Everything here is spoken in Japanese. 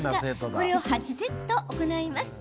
これを８セット行いましょう。